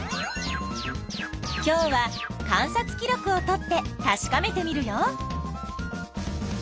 今日は観察記録をとってたしかめてみるよ。